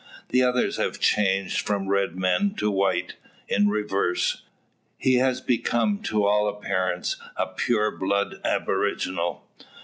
The others have changed from red men to white; in reverse, he has become to all appearance a pure blooded aboriginal.